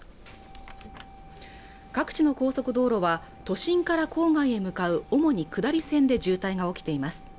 各地の高速道路は都心から郊外へ向かう主に下り線で渋滞が起きています